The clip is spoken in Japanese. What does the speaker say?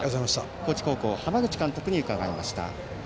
高知高校、浜口監督に伺いました。